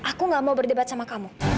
aku gak mau berdebat sama kamu